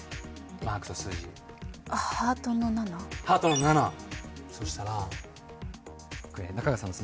マークと数字ハートの７ハートの７そしたらこれ中川さんのスマホ